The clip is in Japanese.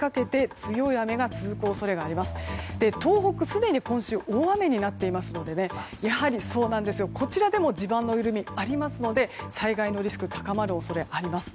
すでに今週大雨になっていますのでやはり、こちらでも地盤の緩みがありますので災害のリスクが高まる恐れがあります。